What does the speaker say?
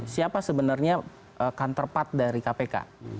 siapa sebenarnya counterpart dari kpk